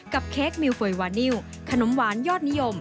เค้กมิวเฟยวานิวขนมหวานยอดนิยม